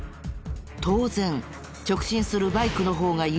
当然直進するバイクの方が優先。